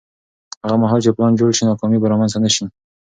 هغه مهال چې پلان جوړ شي، ناکامي به رامنځته نه شي.